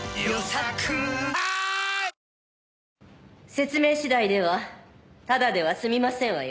説明次第ではただでは済みませんわよ。